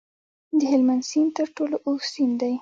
د هلمند سیند تر ټولو اوږد سیند دی